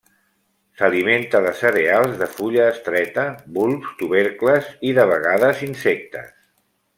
S'alimenta de cereals de fulla estreta, bulbs, tubercles i, de vegades, insectes.